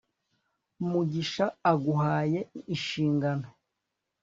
Mugisha aguhaye ishingano